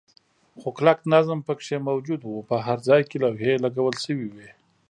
خو کلک نظم پکې موجود و، په هر ځای کې لوحې لګول شوې وې.